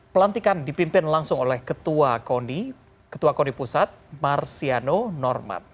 pelantikan dipimpin langsung oleh ketua koni pusat marsiano norman